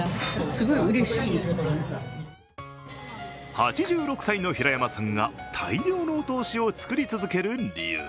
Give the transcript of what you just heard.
８６歳の平山さんが大量のお通しを作り続ける理由。